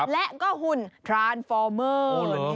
และก็หุ่นพรานฟอร์เมอร์